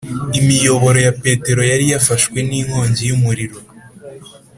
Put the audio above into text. imiyoboro ya peterori yari yafashwe n'inkongi y'umuriro